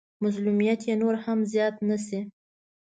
مظلوميت يې نور هم زيات نه شي.